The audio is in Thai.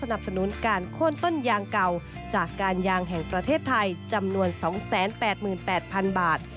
สนุนการโค้นต้นยางเก่าจากการยางแห่งประเทศไทยจำนวน๒๘๘๐๐๐บาท